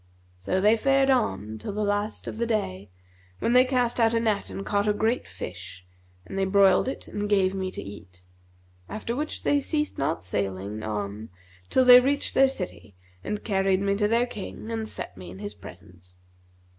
So they fared on till the last of the day, when they cast out a net and caught a great fish and they broiled it and gave me to eat; after which they ceased not sailing on till they reached their city and carried me to their King and set me in his presence.